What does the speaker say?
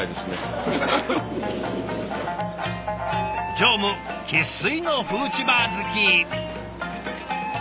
常務生っ粋のフーチバー好き。